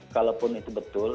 kalaupun itu betul